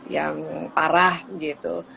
yang parah gitu